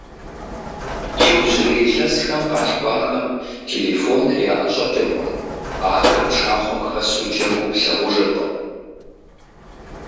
Иужьрей илъэсхэм къалъхуахэм телефоныр яӀэщӀэкӀыркъым, ахэр пшахъуэм хэсу джэгуу плъагъужыркъым.